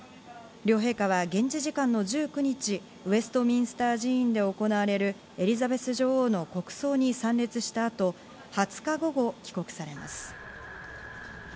両陛下は現地時間の１９日、ウェストミンスター寺院で行われるエリザベス女王の国葬に参列した後、２０日午後、帰国されます。